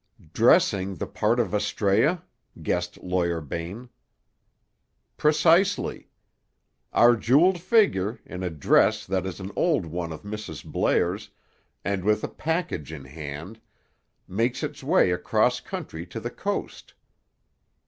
"Dressing the part of Astræa," guessed Lawyer Bain. "Precisely. Our jeweled figure, in a dress that is an old one of Mrs. Blair's, and with a package in hand, makes its way across country to the coast."